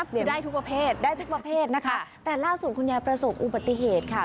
จะได้ทุกประเภทได้ทุกประเภทนะคะแต่ล่าสุดคุณยายประสบอุบัติเหตุค่ะ